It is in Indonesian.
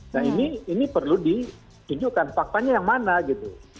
nah ini perlu ditunjukkan faktanya yang mana gitu